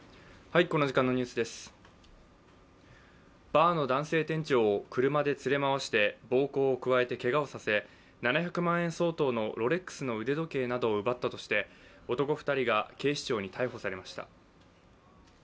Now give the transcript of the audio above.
バーの男性店長を車で連れ回して暴行を加えてけがをさせ７００万円相当のロレックスの腕時計などを奪ったとして男２人が警視庁に逮捕されました。